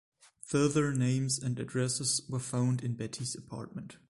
Further names and addresses were found in Betty's apartment.